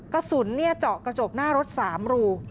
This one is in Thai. กระสุนเจาะกระจกหน้ารถ๓รู